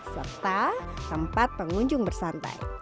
serta tempat pengunjung bersantai